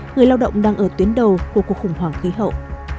người lao động đang ở tuyến đầu của cuộc khủng hoảng khí hậu